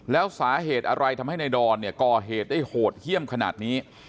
แล้วสาเหตุอะไรทำให้ในดอนเนี่ยก่อเหตุได้โหดเยี่ยมขนาดนี้